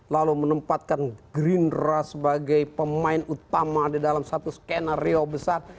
lalu menempatkan gerindra sebagai pemain utama di dalam satu skenario besar